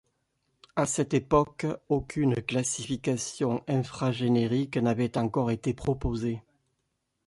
À cette époque, aucune classification infragénérique n'avait encore été proposée.